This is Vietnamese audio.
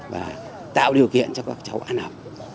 và tạo điều kiện cho các cháu ăn học